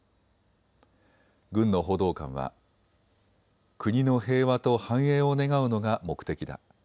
軍の報道官は国の平和と繁栄を願うのが目的だ。